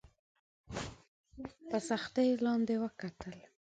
په سختۍ یې لاندي وکتل !